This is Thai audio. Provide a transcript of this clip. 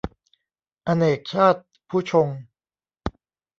อเนกชาติภุชงค์